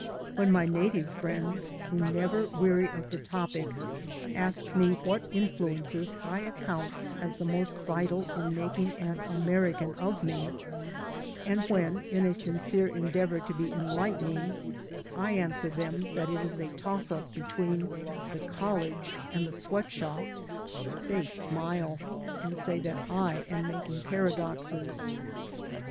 When my native friends, who never weary of the topic, ask me what influences I accoimt as the most vital in making an American of me, and when, in a sincere endeavor to be enUghtening, I answer them that it is a toss up between the college and the sweat shop, they smile and say that I am making paradoxes.